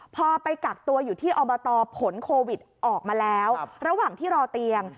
พอไปกักตัวอยู่ที่อบตผลโควิดออกมาแล้วระหว่างที่รอเตียง